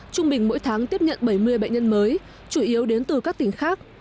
trung bình mỗi tháng tiếp nhận bảy mươi bệnh nhân mới chủ yếu đến từ các tỉnh khác